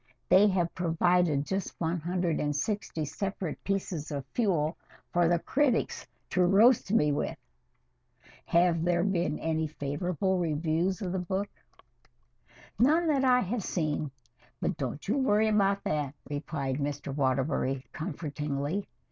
"They have provided just one hundred and sixty separate pieces of fuel for the critics to roast me with. Have there been any favorable reviews of the book?" "None that I have seen but don't you worry about that," replied Mr. Waterbury comfortingly.